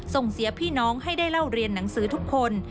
ส่งเสียพี่น้องให้ได้เล่าเรียนหนังสือทุกคน